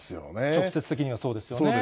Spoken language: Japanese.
直接的にはそうですよね。